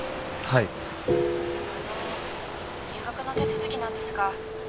☎あの入学の手続きなんですが